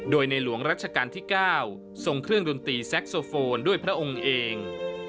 โดยในหลวงรัชกาลที่๙ทรงเครื่องดนตรีแซ็กโซโฟนด้วยพระองค์เอง